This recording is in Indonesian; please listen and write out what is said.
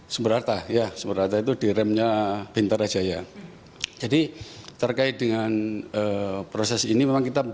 sumberarta sumberarta itu di ramp nya bintara jaya jadi terkait dengan proses ini memang kita